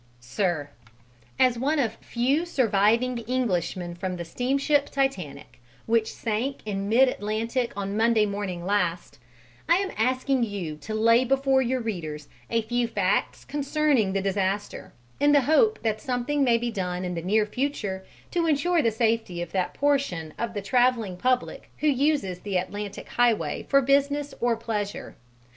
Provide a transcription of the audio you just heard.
SIR: As one of few surviving Englishmen from the steamship Titanic, which sank in mid Atlantic on Monday morning last, I am asking you to lay before your readers a few facts concerning the disaster, in the hope that something may be done in the near future to ensure the safety of that portion of the travelling public who use the Atlantic highway for business or pleasure.